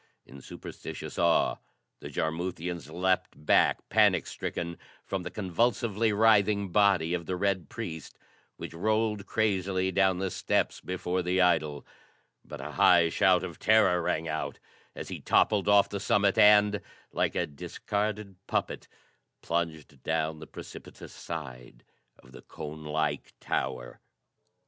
In superstitious awe the Jarmuthians leaped back, panic stricken, from the convulsively writhing body of the red priest, which rolled crazily down the steps before the idol; but a high shout of terror rang out as he toppled off the summit and, like a discarded puppet, plunged down the precipitous side of the cone like tower.